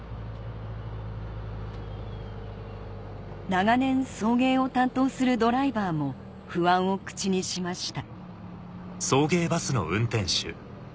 長年送迎を担当するドライバーも不安を口にしました